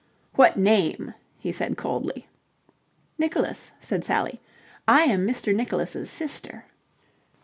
"What name?" he said, coldly. "Nicholas," said Sally. "I am Mr. Nicholas' sister."